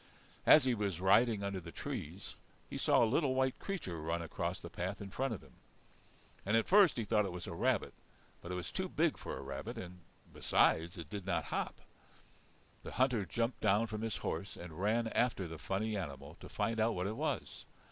As he was riding under the trees he saw a little white creature run across the path in front of him. At first he thought it was a rabbit; but it was too big for a rabbit, and besides, it did not hop. The hunter jumped down from his horse and ran after the funny animal to find out what it was.